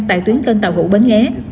tại tuyến cơn tàu gũ bến nghé